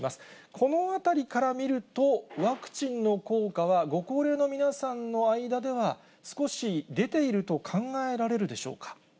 このあたりから見ると、ワクチンの効果はご高齢の皆さんの間では、少し出ていると考えられるでしょうか。